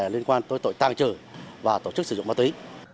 liên quan tới tội tăng trừ và tổ chức sử dụng ma túy